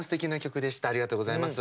ありがとうございます。